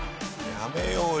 やめようよ。